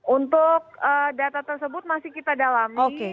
untuk data tersebut masih kita dalami